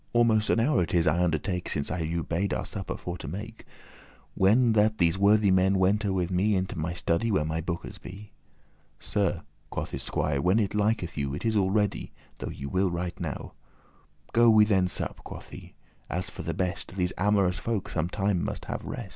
Almost an hour it is, I undertake, Since I you bade our supper for to make, When that these worthy men wente with me Into my study, where my bookes be." "Sir," quoth this squier, "when it liketh you. It is all ready, though ye will right now." "Go we then sup," quoth he, "as for the best; These amorous folk some time must have rest."